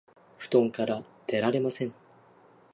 布団から出られません